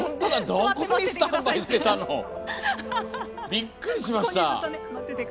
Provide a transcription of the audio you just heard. びっくりしました。